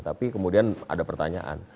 tapi kemudian ada pertanyaan